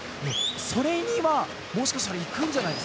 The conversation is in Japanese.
それにはもしかしたらいくんじゃないか。